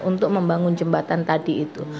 untuk membangun jembatan tadi itu